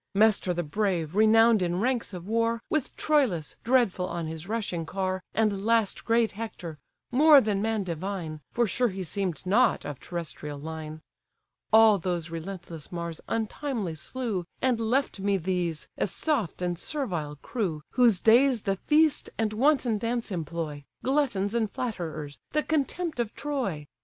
Mestor the brave, renown'd in ranks of war, With Troilus, dreadful on his rushing car, And last great Hector, more than man divine, For sure he seem'd not of terrestrial line! All those relentless Mars untimely slew, And left me these, a soft and servile crew, Whose days the feast and wanton dance employ, Gluttons and flatterers, the contempt of Troy!